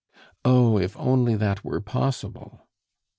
"Oh, if only that were possible!"